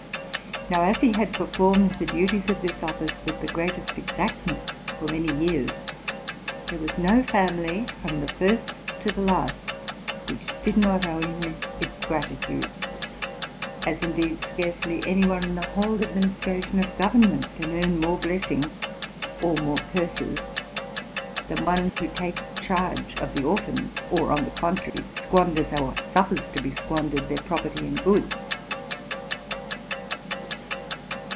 Now, as he had performed the duties of this office with the greatest exactness for many years, there was no family, from the first to the last, which did not owe him its gratitude ; as indeed scarcely any one in the whole adminis tration of government can earn more blessings or more curses than one who takes charge of the orphans, or, on the con trary, squanders or suffers to be squandered their property and goods.